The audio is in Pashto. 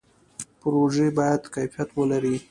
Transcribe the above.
پروژې باید کیفیت ولري